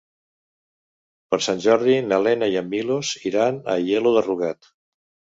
Per Sant Jordi na Lena i en Milos iran a Aielo de Rugat.